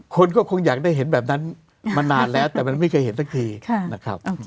คนก็คงอยากได้เห็นแบบนั้นมานานแล้วแต่มันไม่เคยเห็นสักทีนะครับ